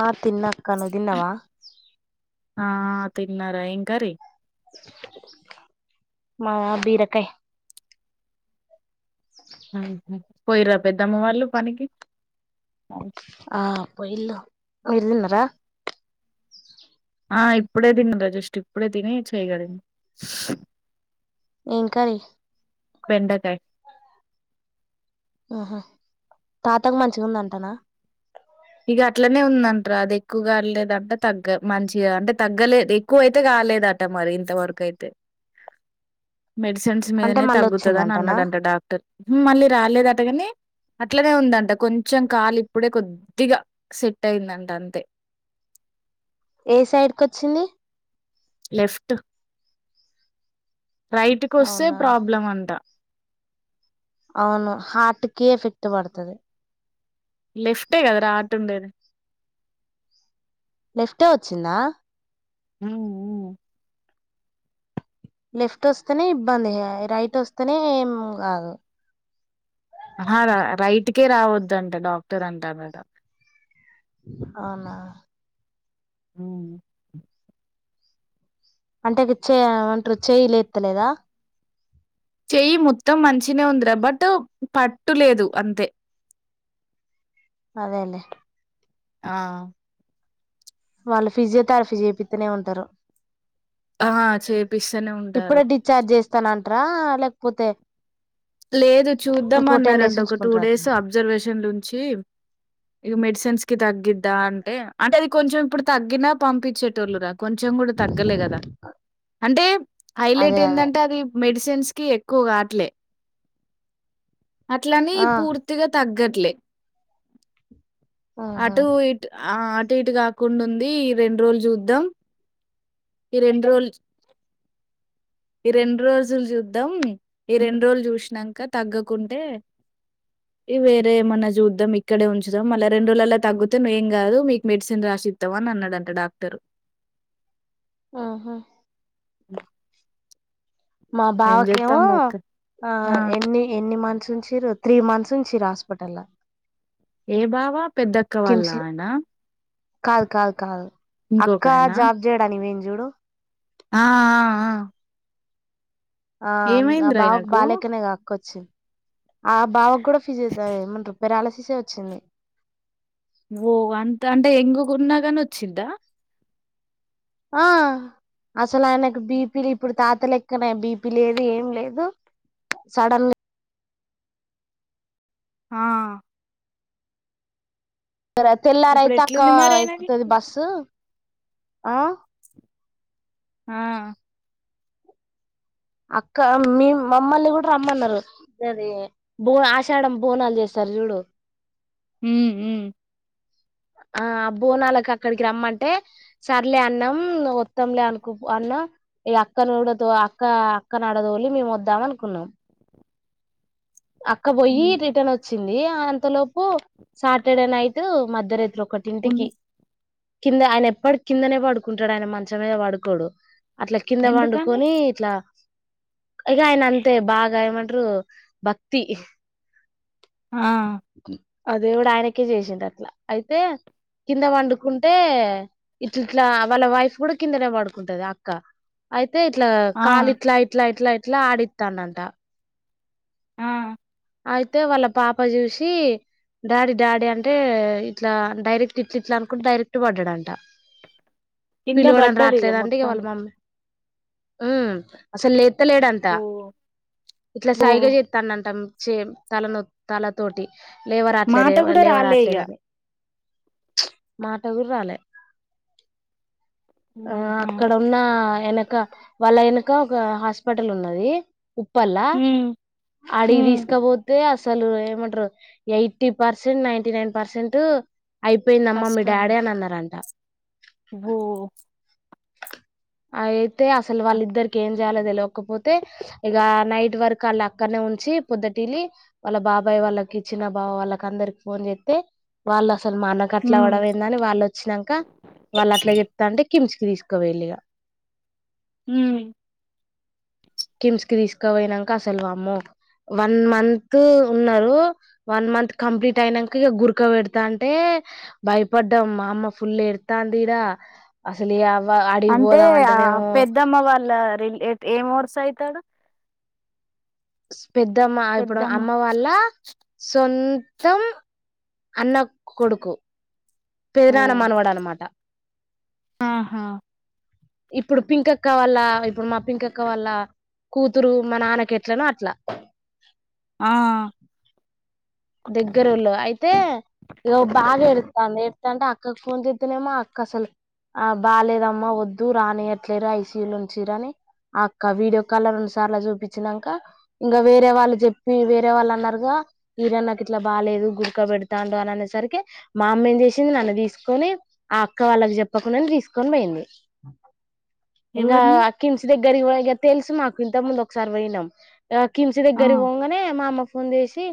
ఆ తిన్నక్క నువ్ తిన్నవ ఆ తిన్నార ఏం కర్రీ మా బీరకాయ్ పోయిరా పెద్దామ్మ వాళ్ళు పనికి ఆ పోయిల్లు మీర్ తిన్నరా ఆ ఇప్పుడే తినర జస్ట్ ఇప్పుడే తిని చేయ్ గడిగిన ఏం కర్రీ బెండకాయ్ ఆహా తాతకు మంచిగుందంటన ఇక అట్లనే ఉందంటరా అది ఎక్కువ కవలేదంట తగ్గ మంచిగా అంటే తగ్గలేదు ఎక్కువ అయితే కా లేదట మరి ఇంతవరకు ఐతే మెడిసిన్స్ అంటే మీదనే మళ్ళ తగ్గుతది అని వచ్చిందంటనా అన్నడంట డాక్టర్ మళ్ళీ రాలేదటగాని అట్లనే ఉందంట కొంచెం కాల్ ఇప్పుడే కొద్ ద్దిగా సెట్ అయిందంట అంతే ఏ సైడ్ కొచ్చిందీ లెఫ్ట్ రైట్కొస్తే అవునా ప్రాబ్లం అంట అవును హార్ట్కే ఎఫెక్ట్ పడ్తది లెఫ్టే కదారా హార్ట్ ఉండేది లెఫ్టే వచ్చిందా ఉమ్మ్ ఊ లెఫ్ట్ వస్తేనే ఇబ్బందిగ రైట్ వస్తేనే ఏం గాదు కే రావద్దంట డాక్టర్ అంటడట అవున అవును అంటే ఇవి చే యంట్రు చేయి లేత్తలేదా చెయ్యి మొత్తం మంచినే ఉందిరా బట్టు పట్టులేదు అంతే అదేలె ఆ వాళ్ళు ఫిజియోతేరపీ చెప్పితనే ఉంటరు ఆ! చేపిస్తూనే ఉంటారు. ఇప్పుడే డిశ్చార్జ్ చేస్తానట్రా లేకపోతే లేదు ఇంకో టెన్ చూద్దామన్నరట డేస్ ఒక టు డేస్ ఉంచుకుంటారటనా అబ్జర్వేషన్ లుంచి ఇగ మెడిసిన్స్ కి తగ్గిద్దా అంటే అంటే అది కొంచెం ఇప్పుడు తగ్గిన పంపించట్ టోళ్లు రా కొంచెం గూడ తగ్గలే గదా అంటే హైలెట్ అదే అదే ఎందంటే అది మెడిసి సిన్స్ కి ఎక్కువ గాట్లే అట్లనీ ఆ పూర్తిగా తగ్గట్లే ఆహా అటూ ఇట్ అ అటు ఇటు కాకుండా ఉందీ ఈ రెండు రోజులు జుద్దాం ఈ రెండ్రోల్ ఈ రెండు రోజుల్ జుద్దాం ఈ రెండు రోజులు చూసినంక తగ్గకుంటే ఇ వేరే ఏమన్నా జుద్దాం ఇక్కడే ఉంచుదం మళ్ళ రెండు రోజుల్లోలా తగ్గుతే నువ్ ఏం కాదు మీకు మెడిసిన్ రా చిత్తవన్ అన్నడంట డాక్టరు ఆహా ఉమ్ మా బావకేమో అ ఆ ఎన్ని ఎన్ని మన్ చుంచిరు త్రీ మంత్స్ ఉంచిరు హాస్పటల్ ల ఏ బావా పెద్దక్క వాళ్ళ ఆయన కాద్ కాద్ కాదు అక్క ఇంకొకాయనా జాబ్ చేయడానికి పోయింది జూడు ఆ ఆ ఆ ఆ న ఏమైందిరా బావ కి ఆయనకు? బాలేక నేగ వచ్చి అ బావ్కు కూడా ఫిజ్ ఏమంట్రు పెరాలసిసే వచ్చింది ఓ అంత అంటే ఎంగ్ గున్నా గాని వచ్చిదా ఆ అసలు ఆయనకు బీపీ ఇప్పుడు తాతలెక్కనే బీపీ లేదు ఏం లేదు సడన్ ఆ తెల్లార్ ఇప్పుడు ఐతే అక్కా ఎట్లుంది మరి ఆయనకి? ఎక్కుతది బస్సు ఆ ఆ అక్క మీ మమ్మల్ని గుడా రమ్మన్నారు అది బో ఆషాఢం బోనాల్ జేస్తారు. జుడు ఉం ఉం ఆ బోనాలకు అక్కడికి రమ్మంటే సర్లే అన్నాం వత్తంలే అనుకు అన్ ఇగ అక్కనుడతో అక్క అక్కనడదోలి మేము వద్దాం అనుకున్నాం అక్క పోయి హ్మ్ రిటర్న్ వచ్చింది అ అంతలోపు సాటర్డే నైట్ మధ్య రేతిలో ఉన్ ఒకటింటికి కింద ఆయన ఎప్పటికి కిందనే పడుకుంటాడు ఆయన మంచం మీద పడుకోడు అట్లా కింద ఎందుకని పండుకొని ఇట్లా ఇగ ఆయన అంతే బాగా ఏమంటారు భక్తి ఆ ఆ దేవుడు ఆయనకే చేసిండు అట్లా అయితే కింద పండుకుంటే ఇట్ ఇట్లా వాళ్ళ వైఫ్ కూడా కిందనే పడుకుంటది అక్క అయితే ఇట్లా ఆ కాలు ఇట్లా ఇట్లా ఇట్లా ఇట్లా అడిత్తందట ఆ అయితే వాళ్ళ పాప చూసి డాడీ డాడీ అంటే ఇట్లా డైరెక్ట్ ఇట్ల ఇట్లా అనుకుంటే డైరెక్ట్ పడ్డాడంట కింద పిలువడం పడ్డది ఇగ రాట్లేదంట ఇవాళ మొత్తానికి మమ్మీ అసలు లే ఎత్తలేడంత ఓ ఇట్లా ఓ సైగలు చేత్తండ అంటా చే తలన తల తోటి లేవర్ రావట్లేదు మాట కూడా లేవర్ రాలే ఇగ రావట్లేదని చ్ మాటగుడ రాలే ఆ ఆహా అక్కడ ఉన్న వెనక వాళ్ళ వెనక ఒక హాస్పిటల్ ఉన్నది ఉప్పల్ల ఉమ్ అడకి ఉమ్ తీస్ పోతే అసలు ఏమంటారు eighty percent ninety nine percent అయిపోయిందమ్మ మీ డాడీ అని అన్నారంట భో అయితే అసలు వాళ్ళిద్దరికి ఏం చేయలో తెలవకపోతే ఇక నైట్ వరకు వాళ్ళు అక్కడనే ఉంచి పొద్దుటిలి వాళ్ళ బాబాయ్ వాళ్ళకి ఇచ్చిన బా వాళ్ళకి అందరికి ఫోన్ చేస్తే వాళ్ళ అసలు మనకు అట్లా ఉమ్ అవడం ఏందని వాళ్ళు వచ్చినంక వాళ్ళు అట్లా చెప్తంటే కిమ్స్ కి తిసుకపోయిరిగా ఉం కిమ్స్ కి తీసుకుపోయినంక అసలు వామ్మో వన్ మంత్ ఉన్నారు వన్ మంత్ కంప్లీట్ అయినంక కంప్లీట్ ఇక గురకా పెడతా అంటే భయపడ్డం మామ్మో ఫుల్ ఎడితాంది ఇడ అసలు ఈ అంటే ఆ పెద్దమ్మ వాళ్ళ రిలే ఏం వర్స్ అయితాడు పెద్దమ్మ ఇప్పుడు పెద్దమ్మ అమ్మ వాల్ళ సొంతం అన్న కొడుకు ఓ పెదనానమనవాడ అనమాట ఆహా ఇప్పుడు పింక్ అక్క వళ్ళా ఇప్పుడు మా పింక్ అక్క వళ్ళ కూతురు మా నాన్నకెట్లనో అట్లా ఆ దగ్గరలో అయితే ఇ బాగా ఎదుటండి ఎదుటండి అక్కకు ఫోన్ చేస్తేనేమో అక్క అసలు ఆ బాలేదమ్మా వద్దు రానియట్లేరు ఐసీయులు ఉంచిరని అక్క వీడియో కాల్ లో రెండు సార్ల చూపించినాక ఇంకా వేరే వాళ్ళు చెప్పి వేరే వాళ్ళు అన్నారుగా ఈర నాకు ఇట్లా బాలేదు గుర్క పెడతాండు అని అనేసరికి మా అమ్మ ఏం చేసింది నన్ను తీసుకొని అక్క వాళ్ళకి చెప్పకుండానే తీసుకొని పోయింది ఇంకా ఎవరిని అక్క సిమ్స్ దగ్గరి దగ్గరికి పోయినక తెల్సు మాకు ఇంతక ముంద ఒకసారి పోయినాం ఆ కిమ్స్ ఆ దగ్గర పోగానే మా అమ్మ ఫోన్ చేసి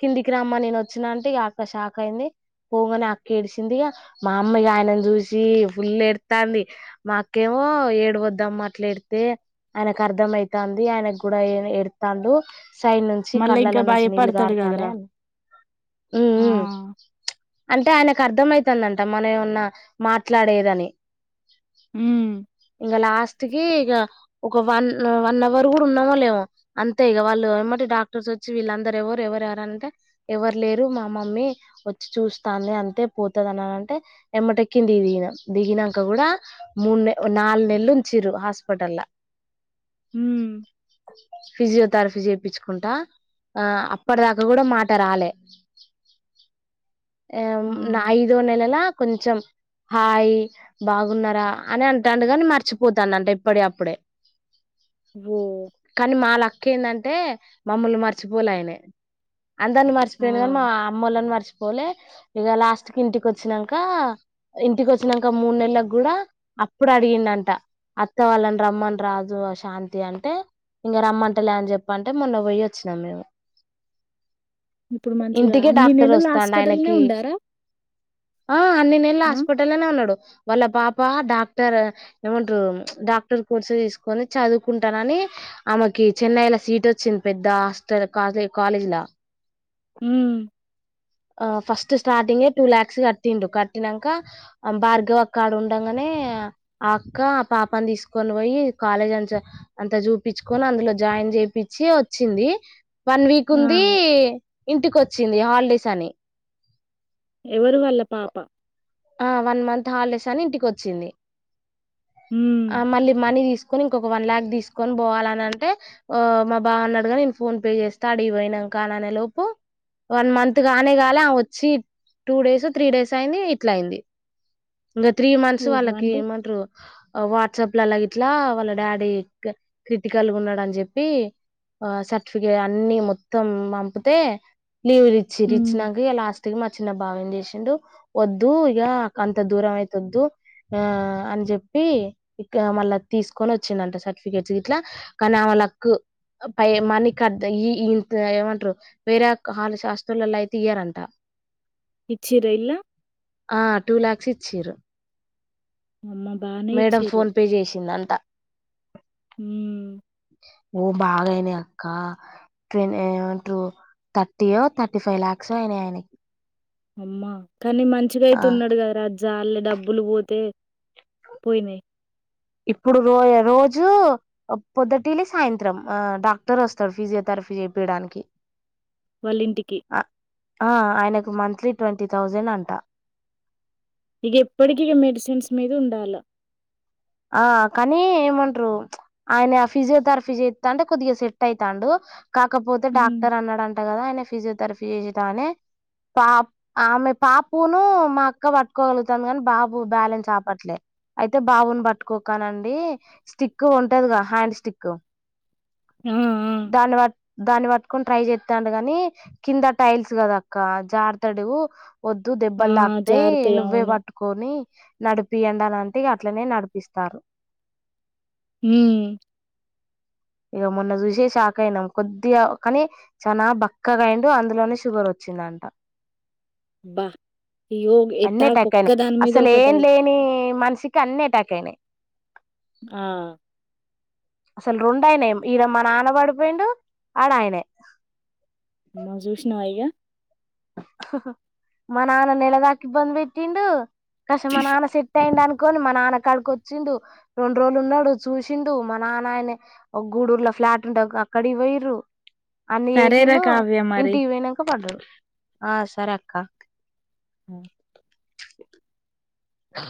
కిందికి రామ్మ నేను వచ్చిన అంటే అక్క షాక్ అయింది పోగాని అక్క ఏడిసిందిగా మా అమ్మ ఇగ ఆయనను చూసి ఫుల్ ఎడతాంది మా అక్కేమో ఏడువద్దు అమ్మ అట్లాడితే ఆయనకు అర్ధమయితుంది ఆయనకు కూడా ఎడతాడు సైడ్ నుంచి మళ్ళా ఇంకా కళ్డ్లో నుంచి భయపడతాడు నీళ్ళుగారు కదరా ఆ అంటే ఆయనకు అర్థమయితు అంటా మన ఏమన్నా మాట్లాడేదని ఉమ్ ఇంకా లాస్ట్ ఇక ఒక వన్ వన్ అవర్ కూడా ఉన్నామో లిమో అంతే ఇక వాళ్ళు ఏమటి డాక్టర్స్ వీళ అందర ఎవరు ఎవరు అంటే ఎవరు లేరు మా మమ్మీ వచ్చి చూస్తాంది అంతే పోతుందినింటే ఎ క్కింది దిన దిగినాక కూడా మూడు నాలుగు నెలలుంచిరు హాస్పిటల్ ఉమ్ ఫిజియోథెరపీ చేయిపించుకుంట ఆ అప్పటి దాకా కూడా మాట రాలే ఉమ్ ఆ ఐదో నెలలా కొంచెం హాయ్ బాగున్నారా అని అంట అండగాని మర్చిపోతాన అంట ఇప్పుడే అప్పుడే అ ఓ కానీ మా అక్క ఏందంటే మమ్మలు మర్చిపోలే ఆయనే అందరిని ఆ మర్చపోయిను కానీ మా అమ్మలని మర్చపోలే ఇక లాస్ట్ కి ఇంటికి వచ్చాక ఇంటికి వచ్చాక మూడు నెలలకి కూడా అప్పుడు అడిగిందంటా అత్త వాళ్ళని రమ్మని రాజు శాంతి అంటే ఇంకా రమ్మంటలే అని చెప్పంటే మొన్న పోయి వచ్చినాం మేము ఇప్పుడు మంచిగా ఇంటికే అన్ని డాక్టర్ నెలలు వస్తాండు హాస్పిటల్నే ఆయనకి ఉండారా ఆ అన్ని నెల్లు ఆ హాస్పిటల్ లోని వునడు వాళ్ళ పాప డాక్టర్ ఏమంటారు డాక్టర్ కోర్స్ తీసుకొని చదువుకుంటానని ఆమెకి చెన్నైలా సీట్ వచ్చింది పెద్ద హాస్టల్ కాలేజ్లా హ ఫట్ స్టార్టింగే టూ లాక్స్ కట్టిండు కట్టినాక భార్గవక్క ఉండగానే పక్క ఆ పాపని తీసుకొని పోయి కాలేజ్ అంత అంత చూపించుకొని అందులో జాయిన్ చేయిపించి వచ్చింది వన్ వీక్ ఆ ఉంది ఇంటికి వచ్చింది హాలిడేస్ అని ఎవరు వళ్ల పాప ఆ వన్ మంత్ హాలిడేస్ అని ఇంటికి వచ్చింది హ్మ్. ఆ మళ్ళీ మనీ తీసుకు కని ఇంక వన్ లాక్ తీసుకొని పోవాలని అంటే మా బావ ఉన్నాడుగా నేను ఫోన్ పే చేస్తా అడిగిపోయినాక కానే లోపు వన్ మంత్ గానే కాల వచ్చి టూ డేస్ త్రీ డేస్ అయింది అయింది ఇంకా త్రీ మంత్స్ ఓహో! వాళ్ళకి అంటే ఏం అంటారు వాట్సప్లు అలా గట్లా వాళ్ళ డాడీ క్రిటికల్ గా ఉన్నాడు అని చెప్పి ఆ సర్టిఫికేట్ అన్ని మొత్తం పంపితే లీవ్ ఇచ్చరూ హ్మ్. ఇచ్చినాక లాస్ట్ కి మా చిన్న బావ ఏం చేసిండు వద్ దు ఇగ కంత దూరం అయితొద్దూ ఆ అని చెప్పి ఇగ మళ్ళా తీసుకొని వచ్చిందంట సర్టిఫికేట్స్ ఇట్లా కానీ ఆమె లక్కు పై మనీ కద్ద ఈ ఇంత ఏమంటరు వేరే కాలేజ్ హాస్టళ్లలా అయితే ఇయ్యారంట ఇచ్చిరా ఇళ్లా ఆ టూ లాక్స్ ఇచ్చిరూ అమ్మ! బానే మేడం ఇచ్చిర్రు. ఫోన్ పే చేసిందంత హ్మ్ ఓ బాగయినయీ అక్క ట్రే ఏమంట్రూ థర్టీయో థర్టీ ఫైవ్ లక్స్ఓ అయినాయి అయినయి అమ్మా కానీ మంచిగా అయితున్నాడు కదారా జాల్లే డబ్బులు పోతే పోయినాయి ఇప్పుడు రో రోజు పొద్దుటిలి సాయంత్రం ఆ డాక్టర్ వస్తాడు ఫిజియోథెర్ప్ ఫి చేపియాడానికి వాళ్ళింటికి ఆ ఆయనకు మంత్లీ ట్వంటీ థౌజండ్ అంట ఇక ఎప్పటికిగా మెడిసిన్స్ మీద ఉండాలా ఆ కానీ ఏమంటారు ఆయన ఫిజియోథెరపీ చెత్తంటే కొద్దిగా సెట్ అయితాండు కాకపోతే హ్మ్. డాక్టర్ అన్నాడంట కదా ఆయన ఫిజియోథెరపీ చేసేటానే పాప్ ఆమె పాపఉన్ను మా అక్క పట్టుకోగలుగుతాంది కానీ బాబు బ్యాలెన్స్ ఆపట్లే అయితే బాబును పట్టుకోకనండి స్టిక్ ఉంటదిగా హ్యాండ్ స్టిక్ ఆ ఆ! దాన్ని వట్ దాన్ని పట్టుకొని ట్రై చేత్తండు గని కింద టైల్స్ కదా అక్క జార్తాడ్ డు ఒద్దు ఆ! దెబ్బల్దక్తయి జారతయి. నువ్వే అవును. వట్టుకోని నడిపియాండి అని అంటే ఇగ అట్లనే నడిపిస్తారు ఉహ్మ్ ఇగ మొన్న చూసి షాక్ అయినాం కొద్దిగా కాని చానా బక్కగా అయిండు అందులోనే షుగరోచ్చి వచ్చిందంటా బాహ్ అయ్యో ఎట్టా అటాక్ ఒక్క అయినాయి దాని మీద అసలు ఏం ఒక్కటాయి లేని మనిషికి అన్ని అటాక్ అయినాయి ఆ అసలు రొండయినాయి ఇడా మా నాన పడిపోయిండు ఆడ ఆయినే మా జుషినవా ఇగ మా నాన నెలదాకిబ్బంద్ది పెట్టిండు కష మా నాన సేట్టయిండనుకొని మా నాన కాడికి ఓచ్చిండు రెండు రోజులు ఉన్నాడు చూసిండు మా నాన్న ఆయినే ఒక గూడూరులో ఫ్లాట్ ఉంటే అక్కడివోయిరూ అన్ని సరేరా చేసిల్లు కావ్య మరి. ఇంటివోయినంక పడ్డాడు ఆ సరే అక్క ఆ ఆ